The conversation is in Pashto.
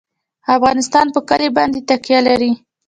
افغانستان په کلي باندې تکیه لري.